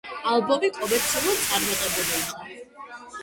ალბომი კომერციულად წარმატებული იყო.